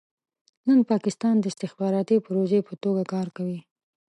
نن پاکستان د استخباراتي پروژې په توګه کار کوي.